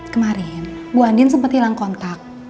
kemarin bu andin sempat hilang kontak